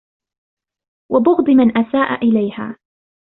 وَبُغْضِ مَنْ أَسَاءَ إلَيْهَا